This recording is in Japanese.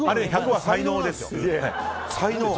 １００は才能です。